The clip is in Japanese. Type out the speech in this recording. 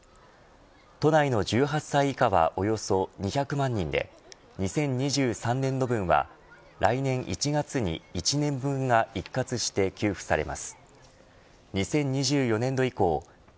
都内の１８歳以下はおよそ２００万人で２０２３年度分は来年１月に１年分が一括して給付されます。